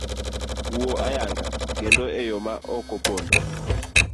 Wuo ayanga kendo eyo ma okopondo.